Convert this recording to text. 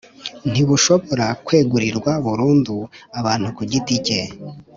Ntibushobora kwegurirwa burundu abantu ku giti cye